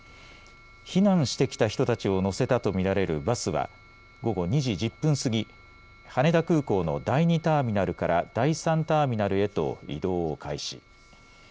避難してきた人たちを乗せたと見られるバスは午後２時１０分過ぎ、羽田空港の第２ターミナルから第３ターミナルへと移動を開始。